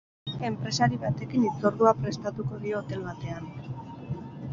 Enpresari batekin hitzordua prestatuko dio hotel batean.